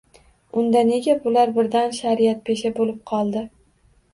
Unda, nega bular birdan... shariatpesha bo‘lib qoldi?